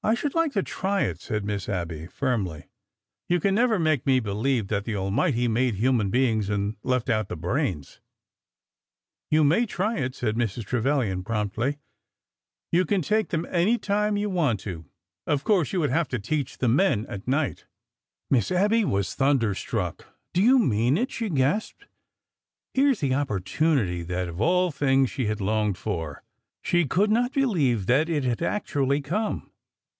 I should like to try it," said Miss Abby, firmly. ''You can never make me believe that the Almighty made human beings and left out the brains 1 " "You may try it," said Mrs. Trevilian, prompll}^. " You can take them any time you want to. Of course you would have to teach the men at night." DOMESTIC ECONOMY 77 Miss Abby was thunderstruck. Do you mean it ?" she gasped. Here was the oppor tunity that of ail things she had longed for. She could not believe that it had actually come.